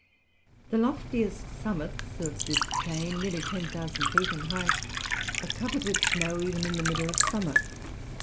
The loftiest summits of this chain, nearly 10,000 feet in height, are covered with snow even in the middle of summer.